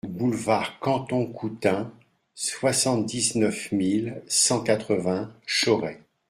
Boulevard Canton Coutain, soixante-dix-neuf mille cent quatre-vingts Chauray